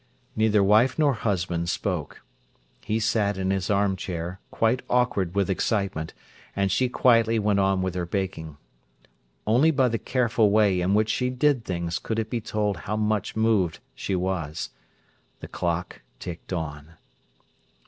Neither wife nor husband spoke. He sat in his armchair, quite awkward with excitement, and she quietly went on with her baking. Only by the careful way in which she did things could it be told how much moved she was. The clock ticked on.